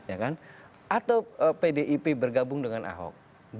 atau pdip bergabung dengan ahok